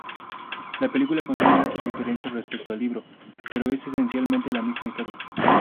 La película contiene muchas diferencias respecto al libro, pero es esencialmente la misma historia.